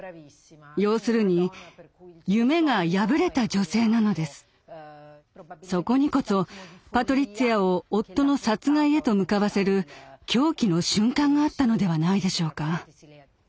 要するにそこにこそパトリッツィアを夫の殺害へと向かわせる狂気の瞬間があったのではないでしょうか。